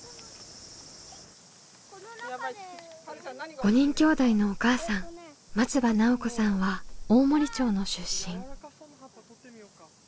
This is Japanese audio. ５人きょうだいのお母さん松場奈緒子さんは大森町の出身。